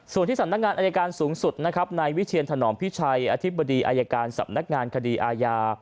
ส่วนที่สำนักงานอายการสูงสุดนะครับนายวิเชียนถนอมพิชัยอธิบดีอายการสำนักงานคดีอาญา